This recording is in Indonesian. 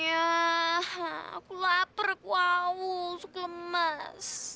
nyah aku lapar aku awu suka lemas